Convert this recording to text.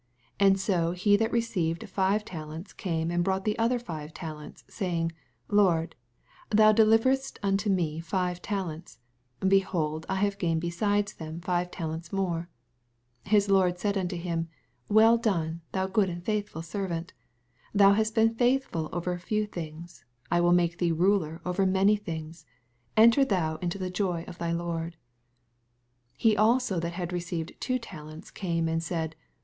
20 And so he that had received five talents came aud brought other five talents, saying. Lord, thou deliveredst unto me five talents : behold, I have gained beside them five talents more. 21 His lord said unto him. Well done, thau good and faithful servant : thou hast oeen faithful over a few things, I will make thee ruler over many things : enter thou into the joy of thy Lord. one talent came and said. Lord, knew thee that thou art an nard ma 23 He also that had received two talents came and said.